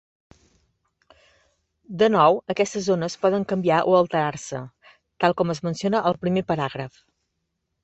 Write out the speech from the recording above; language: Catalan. De nou, aquestes zones poden canviar o alterar-se, tal com es menciona al primer paràgraf.